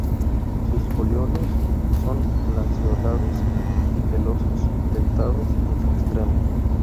Sus foliolos son lanceolados y pelosos, dentados en su extremo.